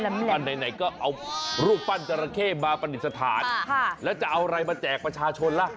อันไหนก็เอารูปปั้นจราเข้มาประดิษฐานแล้วจะเอาอะไรมาแจกประชาชนล่ะ